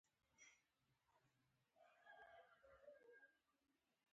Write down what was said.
دوی هم لکه نور سرحدي قاچاقبران په روسي ژبه غږېدل.